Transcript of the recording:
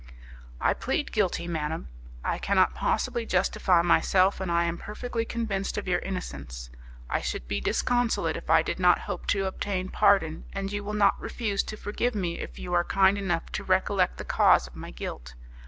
"I plead guilty, madam; I cannot possibly justify myself, and I am perfectly convinced of your innocence. I should be disconsolate if I did not hope to obtain pardon, and you will not refuse to forgive me if you are kind enough to recollect the cause of my guilt.